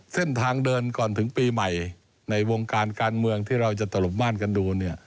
เส้นทางเดินก่อนถึงปีใหม่ในวงการการเมืองที่เราจะตลบม่านกันดูเนี่ย